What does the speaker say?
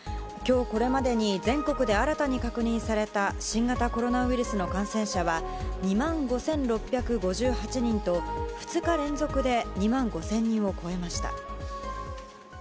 今日これまでに全国で新たに確認された新型コロナウイルスの感染者は２万５６５８人と２日連続で２万５０００人を超えました。